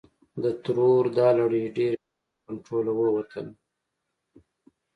د ترور دا لړۍ ډېر ژر له کنټروله ووتله.